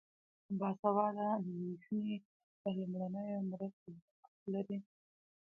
باسواده نجونې د لومړنیو مرستو بکس لري.